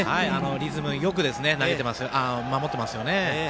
リズムよく守ってますね。